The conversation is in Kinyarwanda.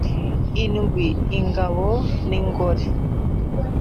Indwi ingabo n ingore